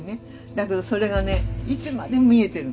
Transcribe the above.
だけどそれがねいつまでも見えてるの。